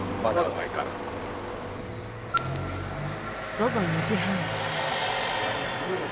午後２時半。